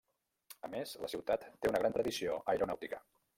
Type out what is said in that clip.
A més, la ciutat té una gran tradició aeronàutica.